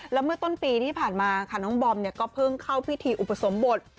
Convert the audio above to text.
แล้วเมื่อต้นปีที่ผ่านมาค่ะน้องบอมเนี่ยก็เพิ่งเข้าพิธีอุปสมบท